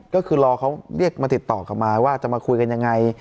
ก็คือรอเขาเรียกมาติดต่อกลับมาว่าจะมาคุยกันยังไง